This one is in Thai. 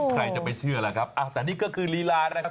ใครจะไปเชื่อล่ะครับแต่นี่ก็คือลีลานะครับ